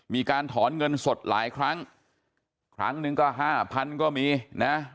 มีการถอนเงินสดหลายครั้งครั้งหนึ่งก็ห้าพันก็มีนะ